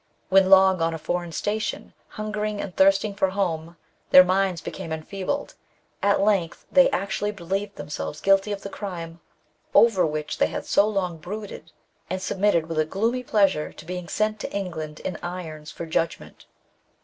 When long on a foreign station, hungering and thirsting for home, their minds became enfeebled ; at length they actually believed themselves guilty of the crime over which they had so long brooded, and submitted with a gloomy pleasure to being sent to England in irons, for judgment.